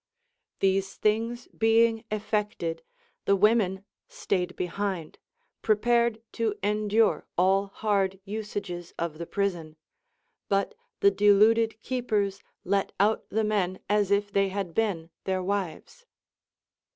These things being eifected, the women stayed behind, prepared to endure all hard usages of the prison, but the deluded keepers let out the men as if they had been their wives.